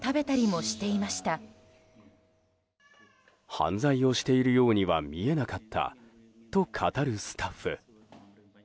犯罪をしているようには見えなかったと語るスタッフ。